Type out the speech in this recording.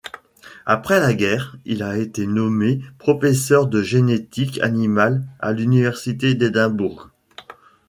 Après la guerre, il a été nommé professeur de génétique animale à l'université d'Édimbourg.